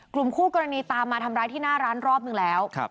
คู่กรณีตามมาทำร้ายที่หน้าร้านรอบนึงแล้ว